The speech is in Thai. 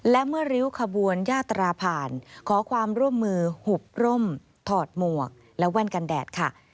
และเมื่อริ้วขบวนยาตราผ่านขอความร่วมมือหุบร่มถอดหมวกและแว่นกันแดดค่ะ